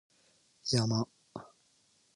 山